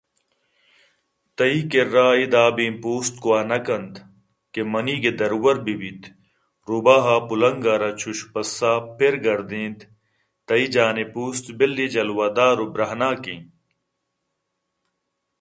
تئی کرّا اے دابیں پوست گوٛہ نہ کنت کہ منیگ ءِ درور بہ بیتروباہ ءَ پُلنگ ءَ را چُش پسّہ پِرگردینت تئی جان ءِ پوست بِلّے جلواہدار ءُ برٛاہناکیں